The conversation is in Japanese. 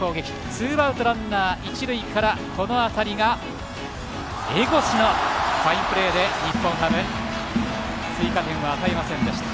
ツーアウト、ランナー、一塁からこの当たりが江越のファインプレーで日本ハム、追加点は与えませんでした。